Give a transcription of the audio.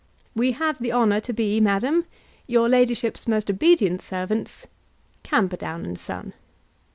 We have the honour to be, Madam, Your ladyship's most obedient servants, CAMPERDOWN & SON.